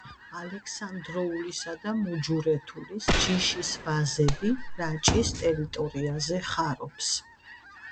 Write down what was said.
ალექსანდროულის და მუჯურეთულის ჯიშის ვაზები რაჭის ტერიტორიაზე ხარობს.